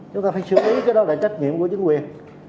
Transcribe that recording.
chúng ta phải xử lý cái đó là trách nhiệm của chính quyền